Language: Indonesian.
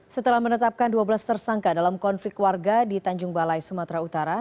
setelah menetapkan dua belas tersangka dalam konflik warga di tanjung balai sumatera utara